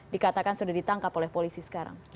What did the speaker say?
dikatakan sudah ditangkap oleh polisi sekarang